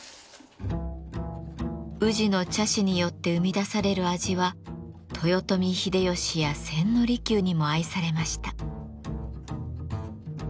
宇治の茶師によって生み出される味は豊臣秀吉や千利休にも愛されました。